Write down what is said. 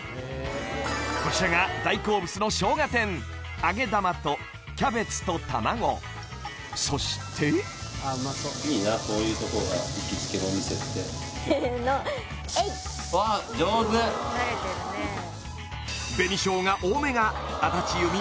こちらが大好物のあげ玉とキャベツと卵そしていいなこういうとこがいきつけのお店ってせのえいっわあ上手紅しょうが多めが安達祐実